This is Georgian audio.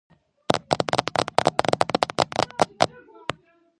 მდებარეობს სამხრეთ კუნძულზე, სამხრეთ ალპებში, კუკის მთის ეროვნულ პარკში, კუკის მთის სიახლოვეს.